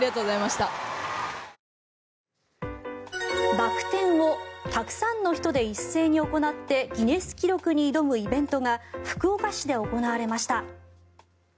バック転をたくさんの人で一斉に行ってギネス記録に挑むイベントが福岡市で行われました。